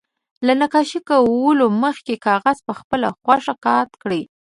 له نقاشي کولو مخکې کاغذ په خپله خوښه قات کړئ.